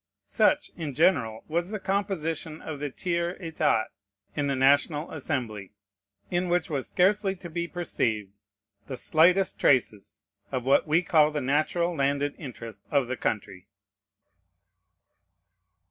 Such, in general, was the composition of the Tiers État in the National Assembly; in which was scarcely to be perceived the slightest traces of what we call the natural landed interest of the country.